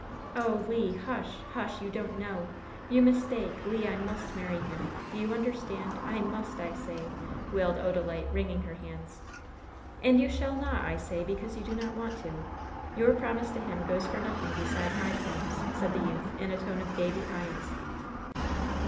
"Oh, Le, hush! hush! You don't know! You mistake! Le, I must marry him! Do you understand? I must, I say!" wailed Odalite, wringing her hands. "And you shall not, I say, because you do not want to. Your promise to him goes for nothing beside my claims," said the youth, in a tone of gay defiance.